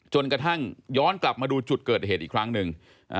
จนกระทั่งย้อนกลับมาดูจุดเกิดเหตุอีกครั้งหนึ่ง